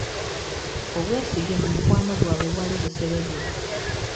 Obwesige mu mukwano gwabwe bwali buserebye.